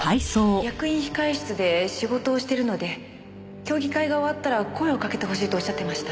役員控室で仕事をしてるので競技会が終わったら声をかけてほしいと仰ってました。